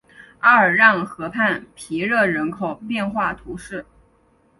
阿尔让河畔皮热人口变化图示